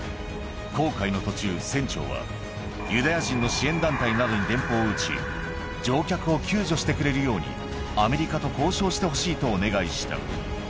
航海の途中、船長は、ユダヤ人の支援団体などに電報を打ち、乗客を救助してくれるように、アメリカと交渉してほしいとお願いした。